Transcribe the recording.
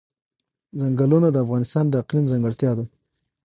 چنګلونه د افغانستان د اقلیم ځانګړتیا ده.